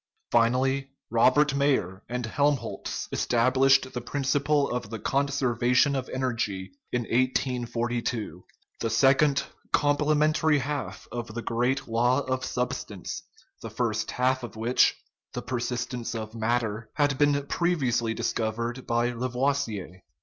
Finally, Robert Mayer and Helmholtz established the principle of energy in 1842 the second, complement ary half of the great law of substance, the first half of which (the persistence of matter) had been previous ly discovered by Lavoisier.